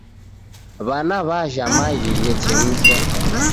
W'ana w'ajha maghi ghechemsha